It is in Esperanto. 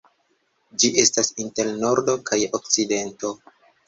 Ĝi estas inter Nordo kaj Okcidento.